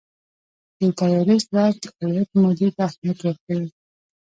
د طیارې سرعت د الوت مودې ته اهمیت ورکوي.